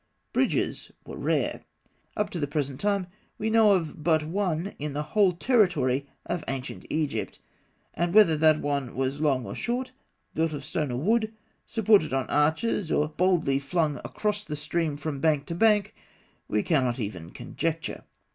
Bridges were rare. Up to the present time, we know of but one in the whole territory of ancient Egypt; and whether that one was long or short, built of stone or of wood, supported on arches or boldly flung across the stream from bank to bank, we cannot even conjecture.